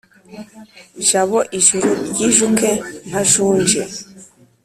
Jabo ijuru ryijuke ntajunje